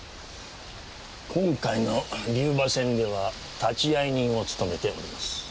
今回の龍馬戦では立会人を務めております。